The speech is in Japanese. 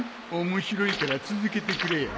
面白いから続けてくれよ